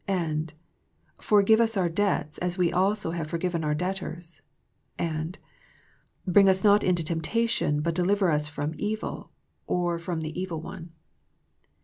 And Forgive us our debts, as we also have forgiven our debtors. ' And Bring us not into temptation, but deliver us from evil, or, from the evil one.